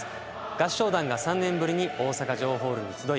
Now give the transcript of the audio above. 合唱団が３年ぶりに大阪城ホールに集い